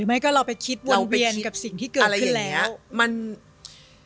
ไม่ก็เราไปคิดวนเบียนกับสิ่งที่เกิดขึ้นแล้วเราไปคิดอะไรอย่างนี้